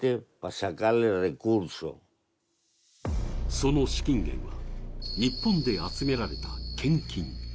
その資金源は日本で集められた献金。